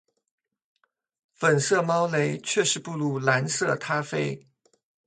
粉色猫雷确实不如蓝色塔菲